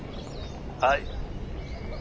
はい。